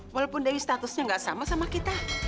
walaupun dari statusnya gak sama sama kita